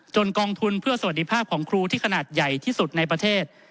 กองทุนเพื่อสวัสดิภาพของครูที่ขนาดใหญ่ที่สุดในประเทศ